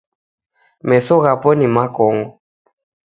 Meso ghapo ni makongo